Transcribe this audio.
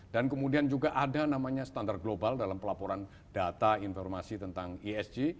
dan kemudian juga ada namanya standard global dalam pelaporan data informasi tentang esg